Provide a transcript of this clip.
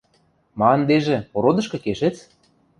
– Ма ӹндежӹ, ородышкы кешӹц?